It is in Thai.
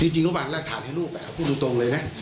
จริงเขาวางรากฐานให้ลูกพูดตรงเลยนะ